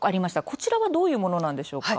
こちらはどういうものなんでしょうか？